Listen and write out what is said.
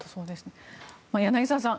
柳澤さん